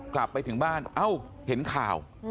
กลับไปถึงบ้านเอ้าเห็นข่าว